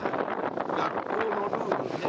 学校のルールね。